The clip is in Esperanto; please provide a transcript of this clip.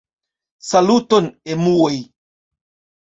Saluton, emuoj!